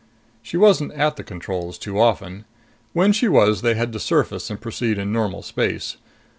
She wasn't at the controls too often. When she was, they had to surface and proceed in normal space.